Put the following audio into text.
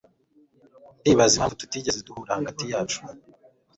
Ndibaza impamvu tutigeze duhura hagati yacu